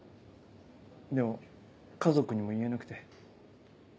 でも家族にも言えなくて。